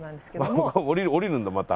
下りるんだまた。